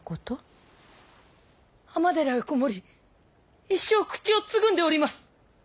尼寺へ籠もり一生口をつぐんでおります！